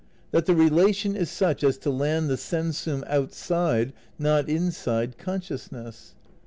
That the relation is such as to land the sensum outside not inside consciousness?